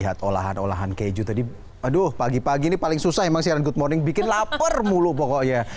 lihat olahan olahan keju tadi aduh pagi pagi ini paling susah memang siaran good morning bikin lapar mulu pokoknya